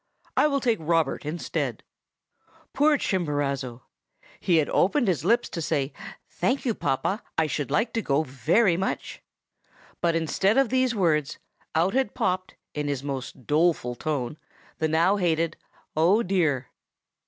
I will take Robert instead.' "Poor Chimborazo! He had opened his lips to say, 'Thank you, papa. I should like to go very much!' and, instead of these words, out had popped, in his most doleful tone, the now hated 'Oh, dear!